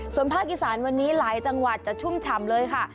ส่วนภาคอีสานวันนี้หลายจังหวัดจะชุ่มฉ่ำเลยค่ะ